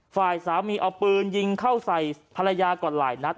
ฝ่ายสามีเอาปืนยิงเข้าใส่ภรรยาก่อนหลายนัด